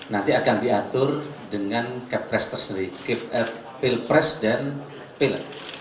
nanti akan diatur dengan pilpres dan pilek